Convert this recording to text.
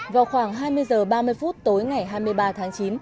vào khoảng hai mươi h ba mươi phút tối ngày hai mươi ba tháng chín